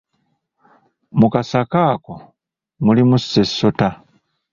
Mu kasaka ako mulimu ssessota.